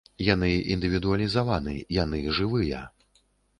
Яны індывідуалізаваны, яны жывыя.